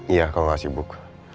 iya kalau gak sibuk